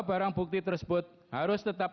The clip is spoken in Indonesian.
barang bukti tersebut harus tetap